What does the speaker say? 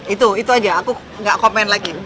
itu itu aja aku gak komen lagi